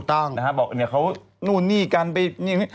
บอกว่าเนี่ยเขานู่นนี่กันนี่นี่